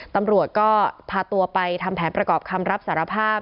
ตำรวจก็พาตัวไปทำแผนประกอบคำรับสารภาพ